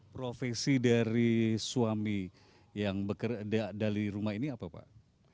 profesi dari suami yang dari rumah ini apa pak